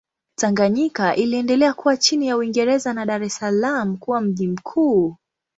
Tanganyika iliendelea kuwa chini ya Uingereza na Dar es Salaam kuwa mji mkuu.